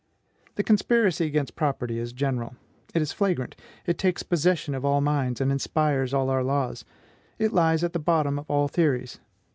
The conspiracy against property is general; it is flagrant; it takes possession of all minds, and inspires all our laws; it lies at the bottom of all theories.